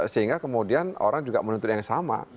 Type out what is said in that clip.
sehingga kemudian orang juga menuntut yang sama